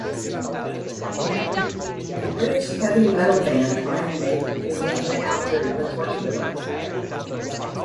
The British heavy metal band Iron Maiden was named after the torture device.